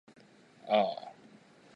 ああ